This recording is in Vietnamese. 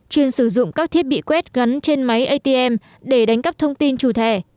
chuyên sử dụng các thiết bị quét gắn trên máy atm để đánh cắp thông tin chủ thẻ